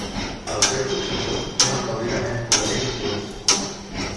Els seus successors ja van gaudir de menys poder i influència.